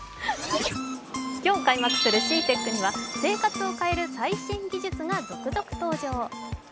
今日開幕するＣＥＡＴＥＣには生活を変える最新技術が続々登場。